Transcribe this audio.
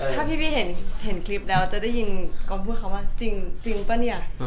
แต่ถ้าพี่เห็นคลิปแล้วจะได้ยินคำพูดเรียวว่าจริงจริงป่าวเนี่ย